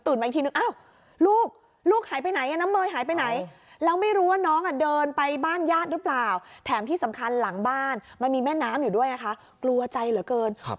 ตื่นมาอีกทีนึงเอ้าลูกลูกหายไปไหนน้ำเมยหายไปไหน